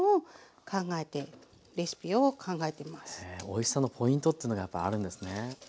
おいしさのポイントっていうのがやっぱりあるんですね。